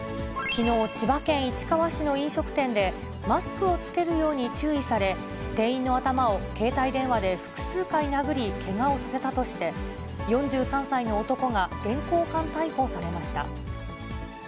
きのう、千葉県市川市の飲食店で、マスクを着けるように注意され、店員の頭を携帯電話で複数回殴り、けがをさせたとして、４３歳の男が現行犯逮捕されました。